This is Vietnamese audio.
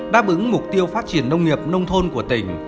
đáp ứng mục tiêu phát triển nông nghiệp nông thôn của tỉnh